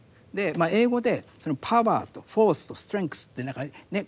英語でパワーとフォースとストレングスって何かね